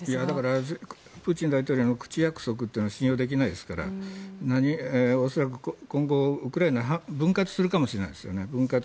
だから、プーチン大統領の口約束は信用できないですから恐らく今後、ウクライナ分割するかもしれないですよね。